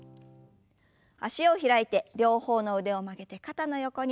脚を開いて両方の腕を曲げて肩の横に。